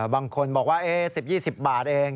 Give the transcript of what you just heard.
บางคนบอกว่า๑๐๒๐บาทเอง